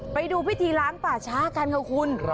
ไปดูพิธีล้างป่าช้ากันค่ะคุณ